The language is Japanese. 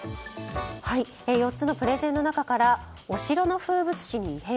４つのプレゼンの中からお城の風物詩に異変。